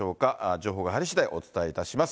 情報が入りしだい、お伝えいたします。